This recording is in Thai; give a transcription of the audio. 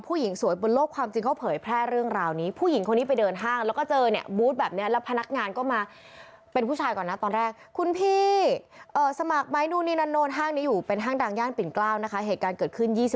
ผู้หญิงสวยบนโลกความจริงเขาเผยแพร่เรื่องราวนี้